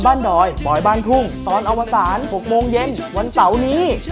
พี่มันโคตรเลวเลย